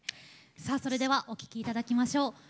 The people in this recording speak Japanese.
さあそれではお聴き頂きましょう。